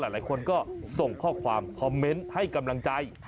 หลายคนก็ส่งข้อความคอมเมนต์ให้กำลังใจ